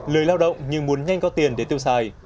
lười lao động nhưng muốn nhanh có tiền để tiêu xài